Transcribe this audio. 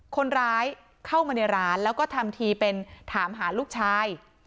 คนร้ายเข้ามาในร้านแล้วก็ทำทีเป็นถามหาลูกชาย